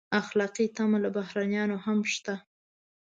اخلاقي تمه له بهرنیانو هم شته.